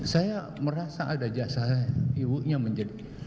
saya merasa ada jasa ibunya menjadi